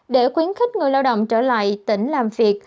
để khuyến khích người lao động trở lại tỉnh làm việc